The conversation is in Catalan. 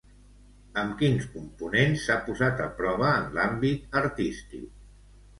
Amb quins components s'ha posat a prova en l'àmbit artístic?